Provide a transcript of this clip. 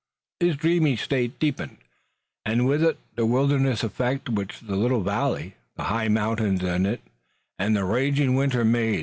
His dreamy state deepened, and with it the wilderness effect which the little valley, the high mountains around it and the raging winter made.